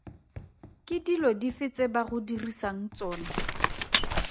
Ke dilo dife tse ba go dirisang tsona?